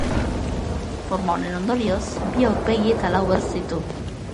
Forma honen ondorioz, bi aurpegi eta lau ertz ditu.